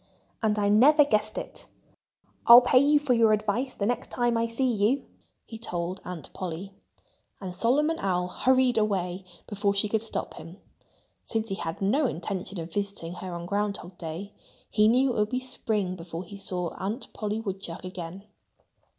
And I never guessed it.... I'll pay you for your advice the next time I see you," he told Aunt Polly. And Solomon Owl hurried away before she could stop him. Since he had no intention of visiting her on ground hog day, he knew it would be spring before he saw Aunt Polly Woodchuck again.